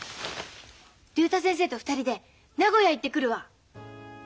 竜太先生と二人で名古屋行ってくるわ。